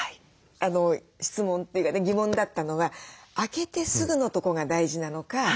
質問というかね疑問だったのは開けてすぐのとこが大事なのか